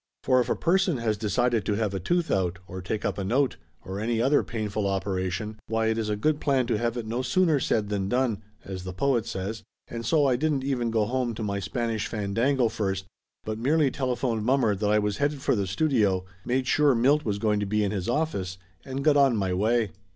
For if a person has decided to have a tooth out, or take up a note, or any other painful operation, why it is a good plan to have it no sooner said than done, as the poet says, and so I didn't even go home to my Spanish Fandango first, but merely telephoned mommer that I was headed for the studio, made sure Milt was going to be in his office and got on my way.